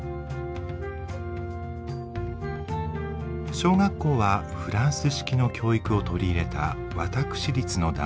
小学校はフランス式の教育を取り入れた私立の男子校。